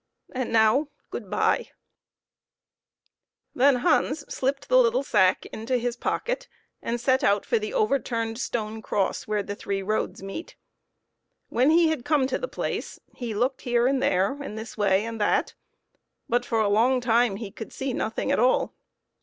And now good bye !" Then Hans slipped the little sack into his pocket, and set out for the overturned stone cross where the three roads meet. When he had come to the place, he looked here and there, and this way and that, but for a long time he could see nothing at all.